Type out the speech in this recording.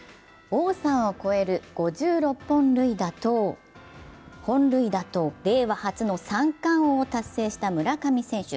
王さんを超える５６本塁打と令和初の三冠王を達成した村上選手。